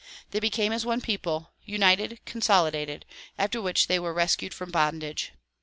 They became as one people, united, consolidated, after which they were rescued from bondage.